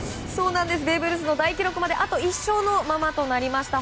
ベーブ・ルースの大記録まであと１勝のままとなりました。